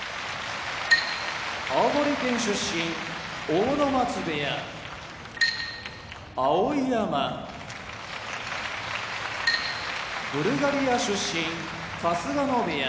青森県出身阿武松部屋碧山ブルガリア出身春日野部屋